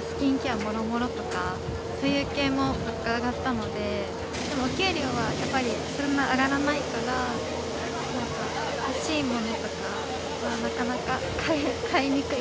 スキンケアもろもろとか、そういう系も物価が上がったので、給料はやっぱりそんな上がらないから、欲しいものとかが、なかなか買いにくい。